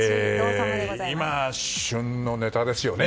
今、旬のネタですよね。